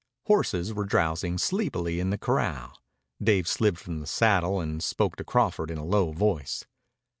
Horses were drowsing sleepily in the corral. Dave slid from the saddle and spoke to Crawford in a low voice.